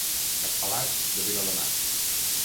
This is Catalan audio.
Cap pelat, de Viladamat.